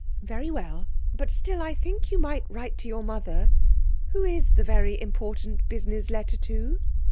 'Very well; but still I think you might write to your mother. Who is the very important business letter to?'